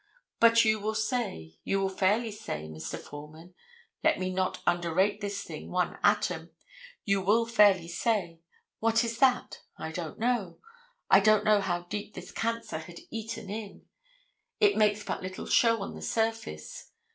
But you will say, you will fairly say, Mr. Foreman—let me not underrate this thing one atom—you will fairly say, what is that? I don't know. I don't know how deep this cancer had eaten in. It makes but little show on the surface.